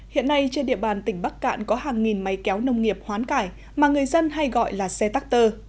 hiện nay trên địa bàn tỉnh bắc cạn có hàng nghìn máy kéo nông nghiệp hoán cải mà người dân hay gọi là xe tắc tơ